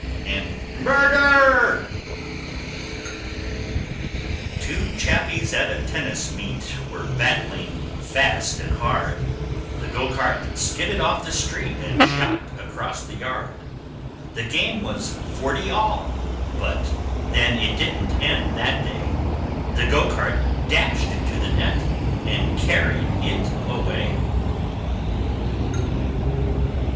and "Murder!" Two Chappies at a tennis meet Were battling fast and hard The Go cart skidded off the street And shot across the yard The game was "forty all," but then It didn't end that day The Go cart dashed into the net And carried it away!